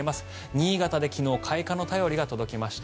新潟で昨日、開花の便りが届きました。